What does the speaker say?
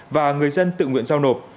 và người dân tự nguyện giao nộp